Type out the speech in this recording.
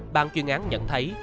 bàn chuyên án nhận thấy